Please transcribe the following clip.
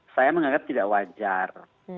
saya menganggap tidak wajar